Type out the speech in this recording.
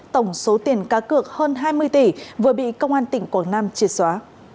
tổng số tiền cá cược hơn hai mươi tỷ vừa bị công an tỉnh quảng nam triệt xóa